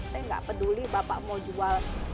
saya nggak peduli bapak mau jual